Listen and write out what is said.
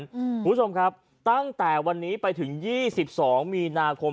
คุณผู้ชมครับตั้งแต่วันนี้ไปถึง๒๒มีนาคม